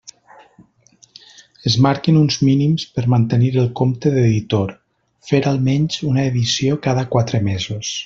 Es marquen uns mínims per mantenir el compte d'editor: fer almenys una edició cada quatre mesos.